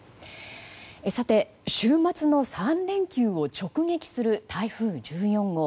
さて、週末の３連休を直撃する台風１４号。